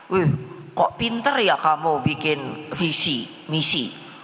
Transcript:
wih kok pinter ya kamu bikin visi misi